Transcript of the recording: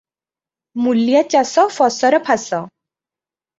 ମୂଲିଆ ଚାଷ ଫସରଫାସ ।"